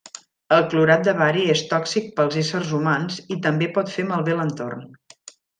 El clorat de bari és tòxic pels éssers humans i també pot fer malbé l'entorn.